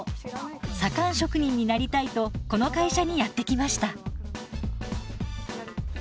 左官職人になりたいとこの会社にやって来ました。